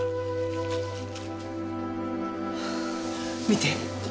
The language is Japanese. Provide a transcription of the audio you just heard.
見て。